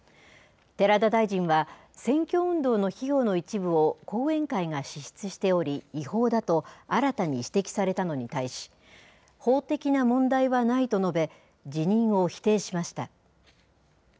寺田大臣は、選挙運動の費用の一部を後援会が支出しており違法だと新たに指摘されたのに対し、法的な問題はないと述べ、辞任を否定しました。